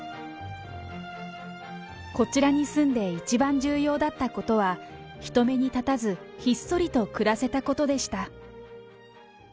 こちらに住んで一番重要だったことは、人目に立たず、ひっそりと暮らせたことでした。